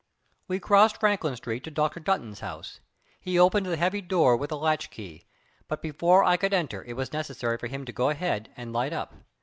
We crossed Franklin street to Dr. Dunton's house. He opened the heavy door with a latch key, but before I could enter it was necessary for him to go ahead and light up.